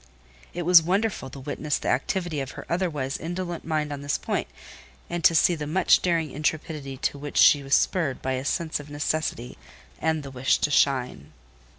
It was wonderful to witness the activity of her otherwise indolent mind on this point, and to see the much daring intrepidity to which she was spurred by a sense of necessity, and the wish to shine.